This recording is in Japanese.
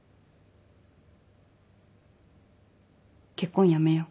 結婚やめよう。